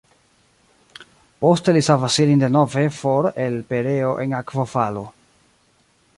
Poste li savas ilin denove for el pereo en akvofalo.